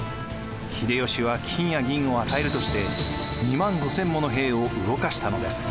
秀吉は金や銀を与えるとして２万５，０００もの兵を動かしたのです。